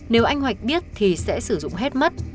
nếu anh hoạch biết thì sẽ sử dụng hết mất